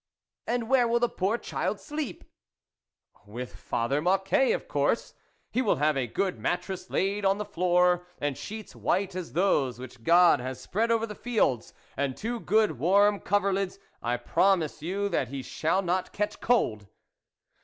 " And where will the poor child sleep ?" "With father Mocquet, of course, he will have a good mattress laid on the floor, and sheets white as those which God 8 THE WOLF LEADER has spread over the fields, and two good warm coverlids ; I promise you that he shall not catch cold."